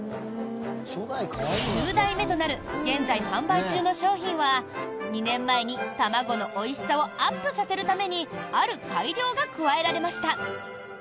９代目となる現在販売中の商品は２年前に卵のおいしさをアップさせるためにある改良が加えられました。